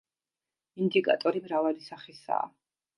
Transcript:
ინდიკატორი მრავალი სახისაა.